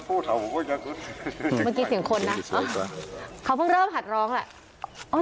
อืมมันกินเสียงคนนะเขาเพิ่งเริ่มหัดร้องแหละ